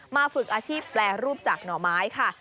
ฝึกอาชีพแปรรูปจากหน่อไม้ค่ะ